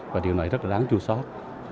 và điều này rất là đáng chua sót